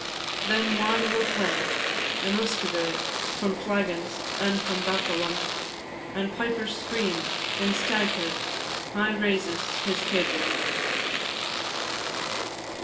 Then wine will play, and usquebae From flaggons, and from badalan, And pipers scream when Staghead High raises his cabar on.